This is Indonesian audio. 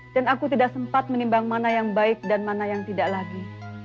dan aku tidak sempat menimbang mana yang baik dan mana yang tidak lagi